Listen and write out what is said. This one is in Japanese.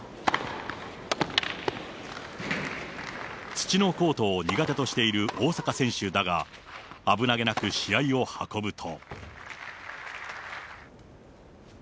土のコートを苦手としている大坂選手だが、危なげなく試合を運ぶと。